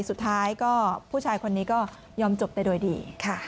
สุดท้ายก็ผู้ชายคนนี้ก็ยอมจบแต่โดยดี